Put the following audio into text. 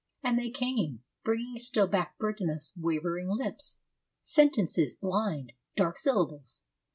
And they came, Bringing still back burden of wavering lips, Sentences, blind, dark syllables.